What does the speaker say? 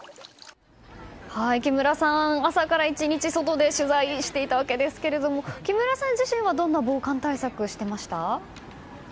木村さん、朝から１日外で取材していたわけですが木村さん自身はどんな防寒対策をしていました？